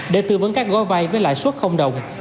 để tư vấn các gói vai với lại suất đồng